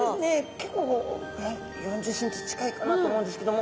結構４０ｃｍ近いかなと思うんですけども。